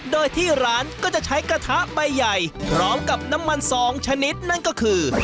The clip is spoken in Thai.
โดยที่ร้านก็จะใช้กระทะใบใหญ่พร้อมกับน้ำมันสองชนิดนั่นก็คือ